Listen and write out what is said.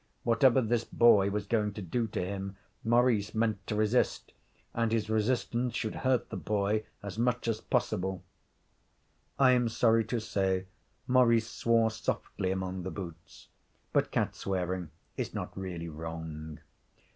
Whatever this boy was going to do to him Maurice meant to resist, and his resistance should hurt the boy as much as possible. I am sorry to say Maurice swore softly among the boots, but cat swearing is not really wrong.